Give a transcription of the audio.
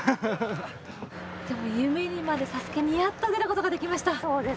夢にまで見たＳＡＳＵＫＥにやっと出ることができました。